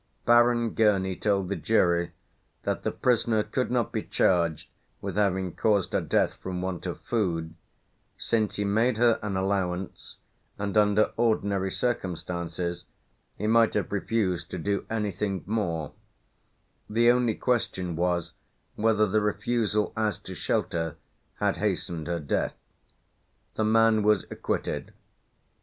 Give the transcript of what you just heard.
Baron Gurney told the jury that the prisoner could not be charged with having caused her death from want of food, since he made her an allowance, and under ordinary circumstances he might have refused to do anything more; the only question was whether the refusal as to shelter had hastened her death. The man was acquitted.